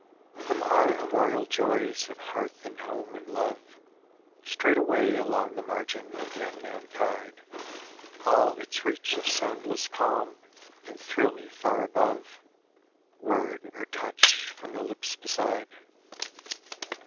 From our immemorial joys of hearth and home and love Strayed away along the margin of the unknown tide, All its reach of soundless calm can thrill me far above Word or touch from the lips beside.